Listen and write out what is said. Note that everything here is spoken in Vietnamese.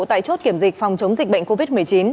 tại chốt kiểm dịch phòng chống dịch bệnh covid một mươi chín